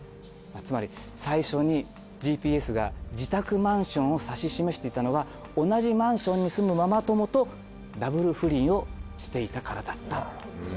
つまり最初にＧＰＳが自宅マンションを指し示していたのは同じマンションに住むママ友とダブル不倫をしていたからだった。